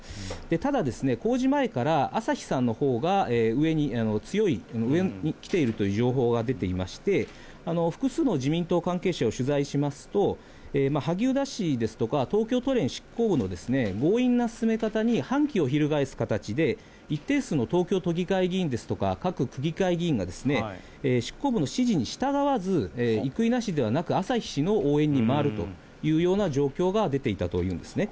ただ、公示前から朝日さんのほうが上に、強く上にきているという情報が出ていまして、複数の自民党関係者を取材しますと、萩生田氏ですとか、東京都連執行部の強引な進め方に反旗を翻す形で、一定数の東京都議会議員ですとか、各区議会議員が、執行部の指示に従わず、生稲氏ではなく、朝日氏の応援に回るというような状況が出ていたというんですね。